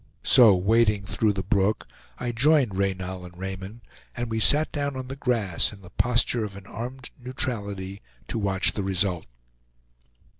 So wading through the brook, I joined Reynal and Raymond, and we sat down on the grass, in the posture of an armed neutrality, to watch the result.